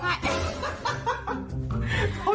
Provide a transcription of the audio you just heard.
เนี่ยคือไหน